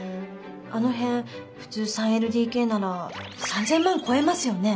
あの辺普通３ＬＤＫなら３，０００万超えますよね？